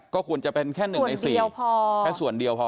ก็ควรจะเป็นแค่๑ใน๔แค่ส่วนเดียวพอ